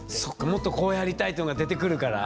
「もっとこうやりたい」ってのが出てくるから。